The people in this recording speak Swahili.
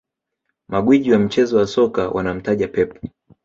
Magwiji wa mchezo wa soka wanamtaja Pep